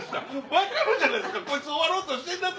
分かるじゃないですかこいつ終わろうとしてるなって。